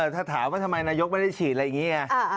ถ้าถามว่าทำไมนายกไม่ได้ฉีดอะไรอย่างนี้ไง